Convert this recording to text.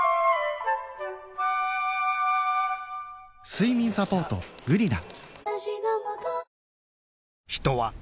睡眠サポート「グリナ」